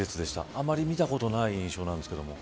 あまり見たことない印象なんですけれども。